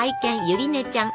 ゆりちゃん！